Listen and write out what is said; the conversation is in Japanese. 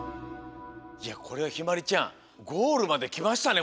いやこれはひまりちゃんゴールまできましたね